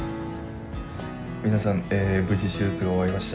皆さん無事手術を終えました。